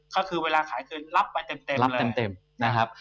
ก็คือเวลาขายคืนรับมาเต็มเลย